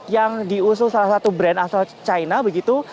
yang diusung salah satu brand asal china begitu